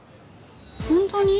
本当に？